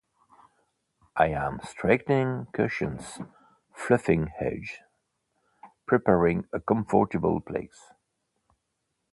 I am straightening cushions, fluffing edges, preparing a comfortable place.